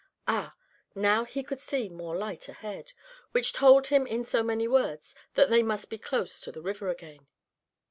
Ah! now he could see more light ahead, which told in so many words that they must be close to the river again.